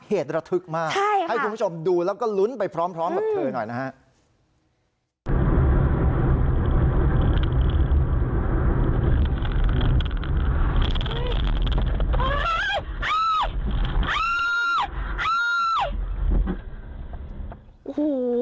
เหตุระทึกมากให้คุณผู้ชมดูแล้วก็ลุ้นไปพร้อมกับเธอหน่อยนะฮะ